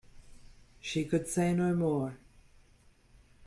She could say no more.